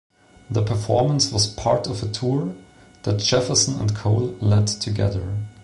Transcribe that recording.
The performance was part of a tour that Jefferson and Cole led together.